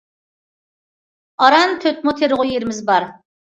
ئاران تۆت مو تېرىلغۇ يېرىمىز بار.